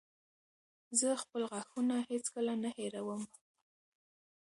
زه خپل غاښونه هېڅکله نه هېروم.